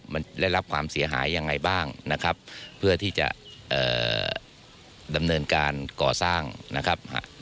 มันได้รับความเสียหายยังไงบ้างนะครับเพื่อที่จะดำเนินการก่อสร้างนะครับ